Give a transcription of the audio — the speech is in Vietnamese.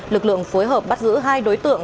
lực lượng phối hợp bắt giữ hai đối tượng